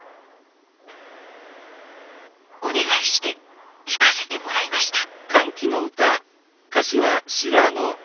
お願いして聴かせてもらいました。